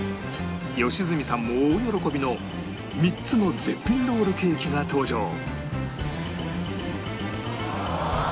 良純さんも大喜びの３つの絶品ロールケーキが登場